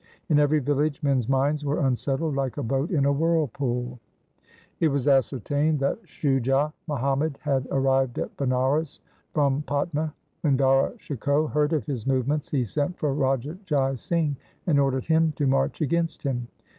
In every village men's minds were unsettled like a boat in a whirlpool. It was ascertained that Shujah Muhammad had arrived at Banaras from Patna. When Dara Shikoh heard of his movements, he sent for Raja Jai Singh and ordered him to march against him.